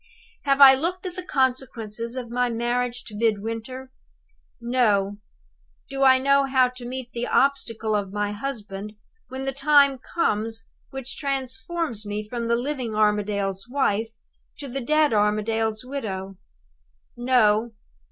"Have I looked at the consequences of my marriage to Midwinter? No! Do I know how to meet the obstacle of my husband, when the time comes which transforms me from the living Armadale's wife to the dead Armadale's widow? "No!